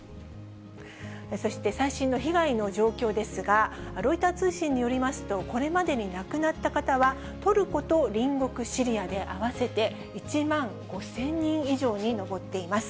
そして最新の被害の状況ですが、ロイター通信によりますと、これまでに亡くなった方は、トルコと隣国シリアで、合わせて１万５０００人以上に上っています。